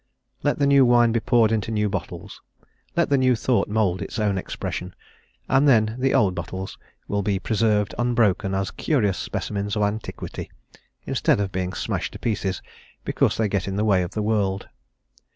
Let the new wine be poured into new bottles; let the new thought mould its own expression; and then the old bottles will be preserved unbroken as curious specimens of antiquity, instead of being smashed to pieces because they get in the way of the world.